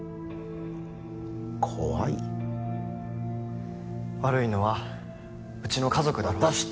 怖い？悪いのはうちの家族だろうし。